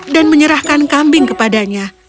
dan menyerahkan kambing kepadanya